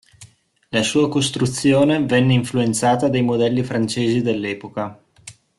La sua costruzione venne influenzata dai modelli francesi dell'epoca.